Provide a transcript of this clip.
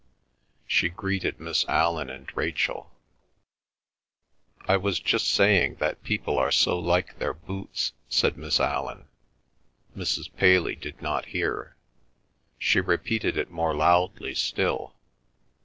She greeted Miss Allan and Rachel. "I was just saying that people are so like their boots," said Miss Allan. Mrs. Paley did not hear. She repeated it more loudly still.